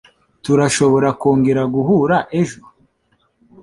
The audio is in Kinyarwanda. Turashobora kongera guhura ejo?